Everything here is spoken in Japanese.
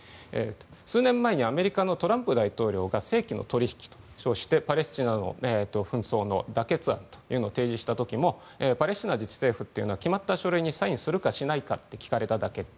数年前にアメリカのトランプ大統領が世紀の取引と称してパレスチナの紛争の妥結案を提示した時もパレスチナ自治政府は決まった書類にサインするかしないかと聞かれただけ。